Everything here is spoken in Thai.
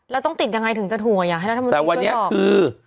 แล้วต้องติดยังไงถึงจะถูกอ่ะอยากให้รัฐมนตรีคัมภนาคมบอกแต่วันเนี้ยคือ